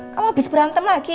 kamu abis berantem lagi ya